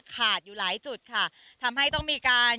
อยู่หลายจุดค่ะทำให้ต้องมีการ